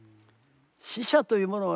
死者というものはね